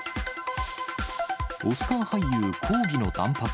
オスカー俳優、抗議の断髪。